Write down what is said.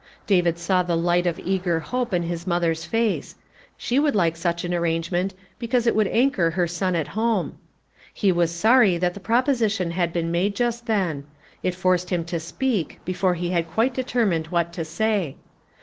David saw the light of f^ager hope in his mother's face ; she would like such an arrangement because it would anchor her son at home. He was sorry that the proposition had been made just then; it forced him to speak, before he had quite determined what to say.